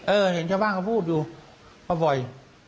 เห็นชาวบ้านเขาพูดอยู่มาบ่อย